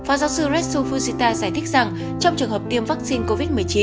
phó giáo sư red sufusita giải thích rằng trong trường hợp tiêm vaccine covid một mươi chín